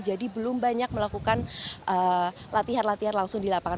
jadi belum banyak melakukan latihan latihan langsung di lapangan